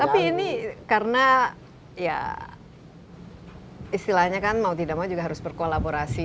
tapi ini karena ya istilahnya kan mau tidak mau juga harus berkolaborasi